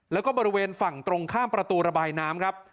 แล้วก็บริเวณฝั่งตรงข้ามประตูระบายน้ำครับ